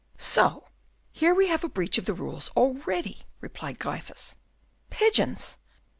"So, here we have a breach of the rules already," replied Gryphus. "Pigeons!